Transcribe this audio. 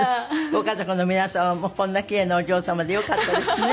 ご家族の皆様もこんなキレイなお嬢様でよかったですね。